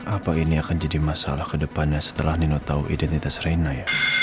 apa ini akan jadi masalah kedepannya setelah nino tahu identitas reina ya